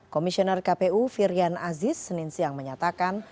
komisioner kpu firian aziz senin siang menyatakan